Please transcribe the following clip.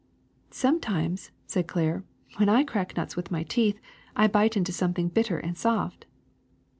''^^ Sometimes," said Claire, ^'when I crack nuts with my teeth, I bite into something bitter and soft."